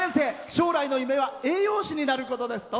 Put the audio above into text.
将来の夢は栄養士になることです。